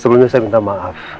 sebenarnya saya minta maaf